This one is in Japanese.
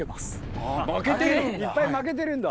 いっぱい負けてるんだ。